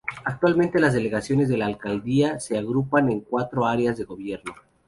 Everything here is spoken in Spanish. Actualmente, las delegaciones de la Alcaldía se agrupan en cuatro áreas de gobierno.